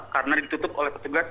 karena ditutup oleh petugas